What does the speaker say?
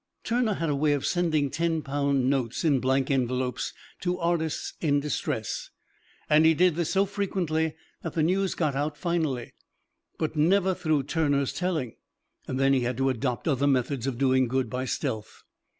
Turner had a way of sending ten pound notes in blank envelopes to artists in distress, and he did this so frequently that the news got out finally, but never through Turner's telling, and then he had to adopt other methods of doing good by stealth.